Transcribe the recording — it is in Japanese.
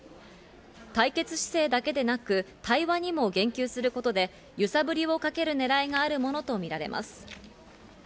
対決姿勢だけでなく対話にも言及することで、揺さぶりをかけるねらいがあるものとみられます。